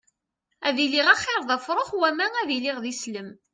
Ad iliɣ axiṛ d afṛux wama ad iliɣ d islem.